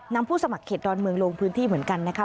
ผู้สมัครเขตดอนเมืองลงพื้นที่เหมือนกันนะครับ